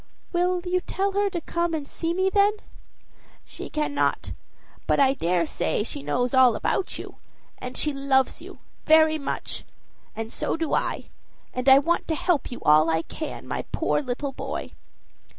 "Will you tell her to come and see me, then?" "She cannot; but I dare say she knows all about you. And she loves you very much and so do I; and I want to help you all I can, my poor little boy."